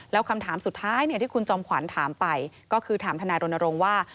แล้วคำถามสุดท้ายที่คุณจอมขวัญถามไปก็คือถามทนายรณรงค์ว่า